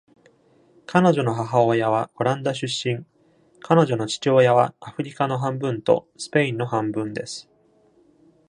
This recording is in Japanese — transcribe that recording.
彼女の母親はオランダ出身、彼女の父親はアフリカの半分とスペインの半分です。